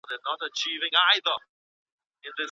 غوره ژوند یوازي مستحقو ته نه سي منسوبېدلای.